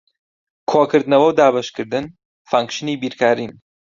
کۆکردنەوە و دابەشکردن فانکشنی بیرکارین.